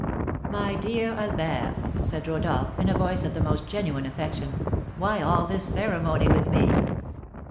"My dear Albert," said Rodolph, in a voice of the most genuine affection, "why all this ceremony with me?"